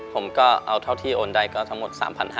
ผมก็เอาเท่าที่โอนได้ก็ทั้งหมด๓๕๐๐